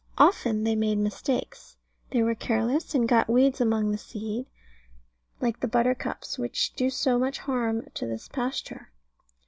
Often they made mistakes. They were careless, and got weeds among the seed like the buttercups, which do so much harm to this pasture.